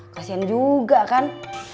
kasian juga kan